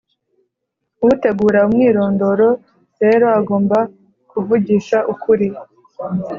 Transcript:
Utegura umwirondoro rero agomba kuvugisha ukuri